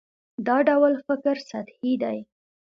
دا ډول فکر سطحي دی.